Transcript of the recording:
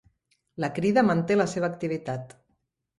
La Crida manté la seva activitat